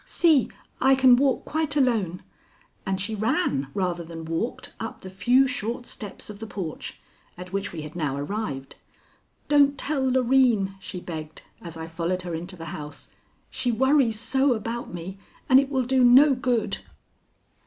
"See! I can walk quite alone." And she ran, rather than walked, up the few short steps of the porch, at which we had now arrived. "Don't tell Loreen," she begged, as I followed her into the house. "She worries so about me, and it will do no good."